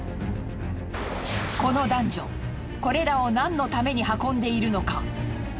この男女これらをなんのために運んでいるのか？